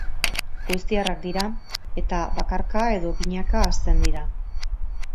Goiztiarrak dira eta bakarka edo binaka hazten dira.